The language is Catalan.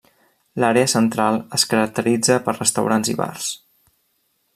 L'àrea central es caracteritza per restaurants i bars.